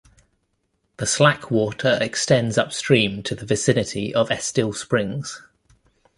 The slack water extends upstream to the vicinity of Estill Springs.